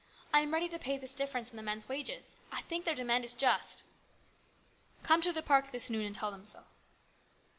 I am ready to pay this difference in the men's wages. I think their demand is just." " Come to the park this noon and tell them so."